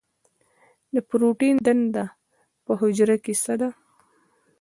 د پروټین دنده په حجره کې څه ده؟